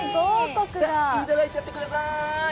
いただいちゃってください！